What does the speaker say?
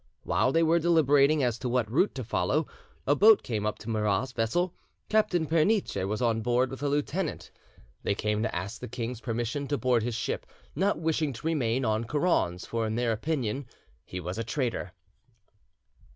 While they were deliberating as to what route to follow, a boat came up to Murat's vessel. Captain Pernice was on board with a lieutenant. They came to ask the king's permission to board his ship, not wishing to remain on Courrand's, for in their opinion he was a traitor.